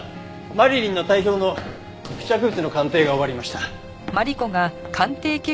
マリリンの体表の付着物の鑑定が終わりました。